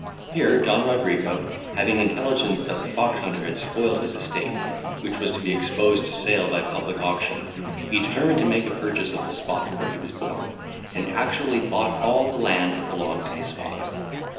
Here Don Rodrigo having intelligence that the foxhunter had spoilt his estate, which was to be exposed to sale by public auction, he determined to make a purchase of the spot where he was born, and actually bought all the land that belonged to his father.